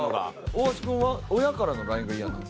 大橋くんは親からのＬＩＮＥが嫌なの？